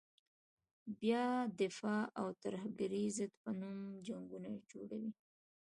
بیا د دفاع او ترهګرې ضد په نوم جنګونه جوړوي.